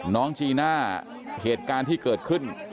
น้องจีน่าเหตุการณ์ที่เกิดขึ้น